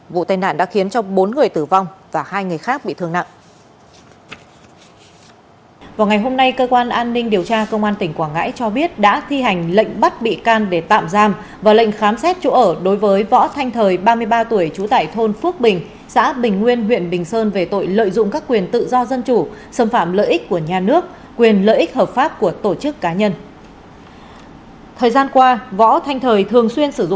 vụ tên nạn đã khiến bốn người tử vong và hai người khác bị thương nặng